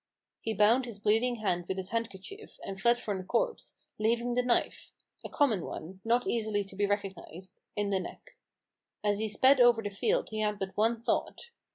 He bound his bleeding hand with his hand kerchief, and fled from the corpse, leaving the knife — a common one, not easily to be recognised — in the neck. As he sped over the field he had but one thought.